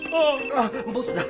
あっボスだ。